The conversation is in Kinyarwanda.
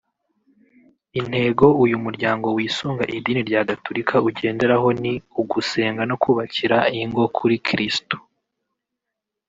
Intego uyu muryango wisunga idini rya Gatolika ugenderaho ni ugusenga no kubakira ingo kuri Kristu